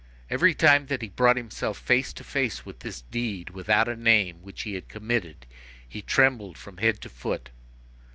Every time that he brought himself face to face with this deed without a name which he had committed, he trembled from head to foot.